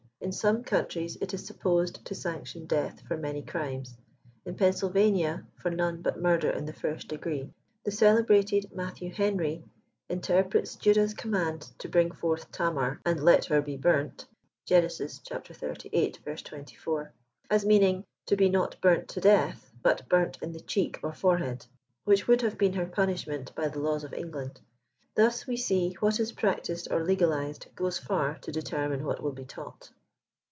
In some countries it is supposed to sanction death for many crimes ; in Pennsylvania, for none but murder in the first degree. The celebrated Matthew Henry, interprets Judah's command to bring forth Tamar " and let her be burnt," (Gen. xxxviii. 24,) as meaning "to be not burnt to death, but burnt in the cheek or forehead ;" which would have been her punishment by the laws of England. Thus, we see, what is practised or legalized goes far to determine what will be taught.